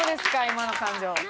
今の感情。